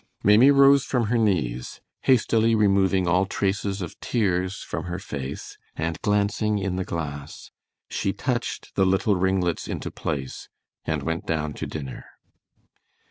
Maimie rose from her knees. Hastily removing all traces of tears from her face, and glancing in the glass, she touched the little ringlets into place and went down to dinner.